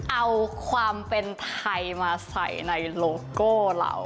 เอาความเป็นไทยมาใส่ในโลโก้เรา